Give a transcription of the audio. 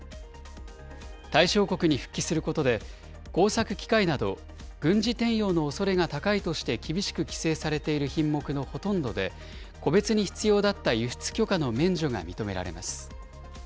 対象国に復帰することで、工作機械など、軍事転用のおそれが高いとして厳しく規制されている品目のほとんどで、個別に必要だった輸出許可の免除が認められます。